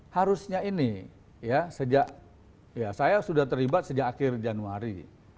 harusnya ini ya sejak ya saya sudah terlibat sejak akhir januari